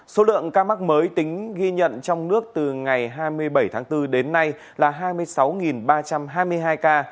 số lượng ca mắc mới tính ghi nhận trong nước từ ngày hai mươi bảy tháng bốn đến nay là hai mươi sáu ba trăm hai mươi hai ca